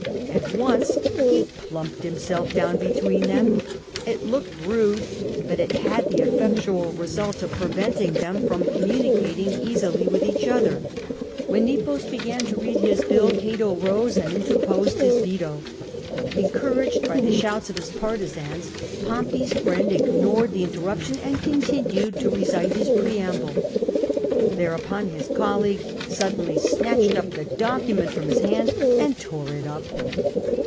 At once he plumped himself down between them ; it looked rude, but it had the effec tual result of preventing them from communicating easily CATO OPPOSES METELLUS NEPOS 213 with each other. When Nepos began to read his bill, Cato rose and interposed his veto. Encouraged by the shouts of his partisans, Pompey's friend ignored the inter ruption and continued to recite his preamble. Thereupon bis colleague suddenly snatched the document from his hand and tore it up.